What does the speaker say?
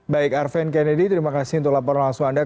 baik arven kennedy terima kasih untuk laporan langsung anda